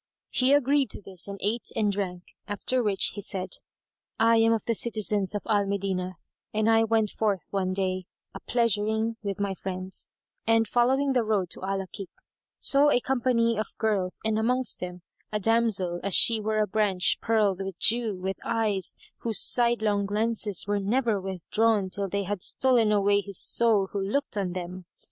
He agreed to this and ate and drank; after which he said, "I am of the citizens of Al Medinah and I went forth one day a pleasuring with my friends;" and, following the road to Al Akík,[FN#174] saw a company of girls and amongst them a damsel as she were a branch pearled with dew, with eyes whose sidelong glances were never withdrawn till they had stolen away his soul who looked on them.